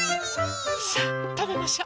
さあたべましょ。